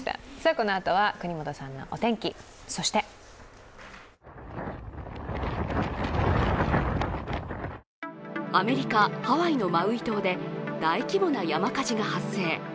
このあとは國本さんのお天気そしてアメリカ・ハワイのマウイ島で大規模な山火事が発生。